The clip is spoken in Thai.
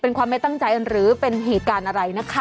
เป็นความไม่ตั้งใจหรือเป็นเหตุการณ์อะไรนะคะ